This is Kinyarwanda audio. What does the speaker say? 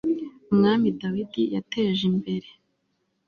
umwami dawidi yateje imbere